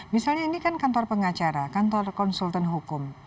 misalnya ini kan kantor pengacara kantor konsultan hukum